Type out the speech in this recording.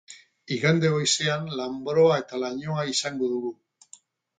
Igande goizean lanbroa eta lainoa izango dugu.